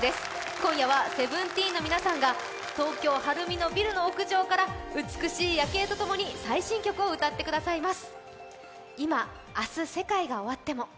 今夜はＳＥＶＥＮＴＥＥＮの皆さんが東京・晴海のビルの屋上から美しい夜景とともに最新曲を歌ってくださいます。